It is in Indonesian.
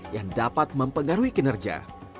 yang dapat mempengaruhi kinerja